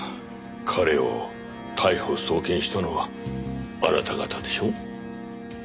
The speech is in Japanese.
彼を逮捕送検したのはあなた方でしょう？